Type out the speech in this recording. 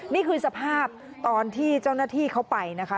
นี่คือสภาพตอนที่เจ้าหน้าที่เขาไปนะคะ